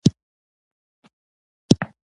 دا د مطالعې چاپېریال بشپړ ښځینه او وړیا دی.